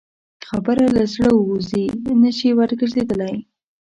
خبره له زړه ووځه، نه شې ورګرځېدلی.